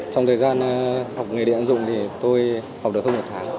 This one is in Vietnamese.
trong thời gian học nghề điện ảnh dụng thì tôi học được thôi một tháng